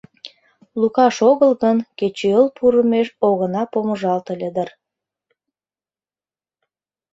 Лукаш огыл гын, кечыйол пурымеш огына помыжалт ыле дыр.